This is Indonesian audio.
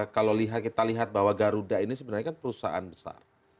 kalau kita lihat bahwa garuda ini sebenarnya kan perusahaan besar